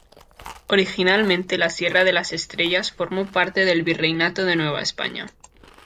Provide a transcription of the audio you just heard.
Originalmente la Sierra de las Estrellas formó parte del Virreinato de Nueva España.